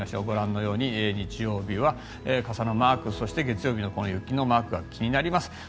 ご覧のように日曜日は日曜日は傘のマークそして月曜日の雪のマークが気になります。